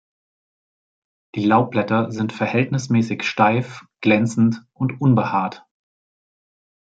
Die Laubblätter sind verhältnismäßig steif, glänzend und unbehaart.